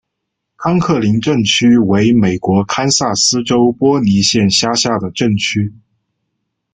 康克林镇区为美国堪萨斯州波尼县辖下的镇区。